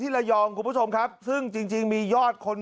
ระยองคุณผู้ชมครับซึ่งจริงมียอดคน